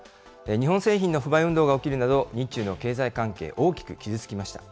日本製品の不買運動が起きるなど、日中の経済関係、大きく傷つきました。